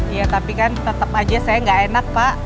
iya tapi kan tetap aja saya enggak enak pak